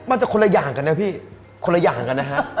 มันจะคนละอย่างกันนะพี่คนละอย่างกันนะฮะ